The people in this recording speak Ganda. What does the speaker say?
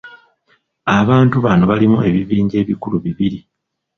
Abantu bano balimu ebibinja ebikulu bibiri.